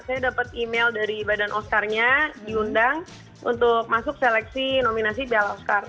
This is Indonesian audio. saya dapat email dari badan oscar nya diundang untuk masuk seleksi nominasi dial oscar